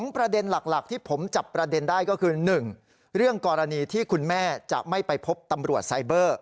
ประเด็นหลักที่ผมจับประเด็นได้ก็คือ๑เรื่องกรณีที่คุณแม่จะไม่ไปพบตำรวจไซเบอร์